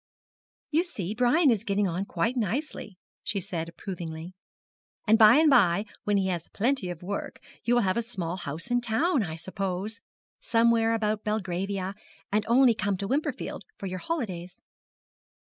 'You see Brian is getting on quite nicely,' she said approvingly, 'and by and by when he has plenty of work, you will have a small house in town, I suppose somewhere about Belgravia and only come to Wimperfield for your holidays.'